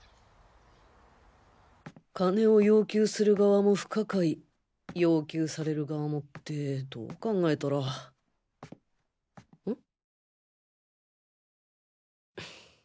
金を要求する側も不可解要求される側もってどう考えたらん？